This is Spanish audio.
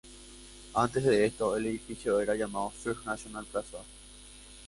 Antes de esto el edificio era llamado "First National Plaza".